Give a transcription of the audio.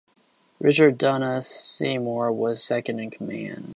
Richard Dundas, Seymour was second in command.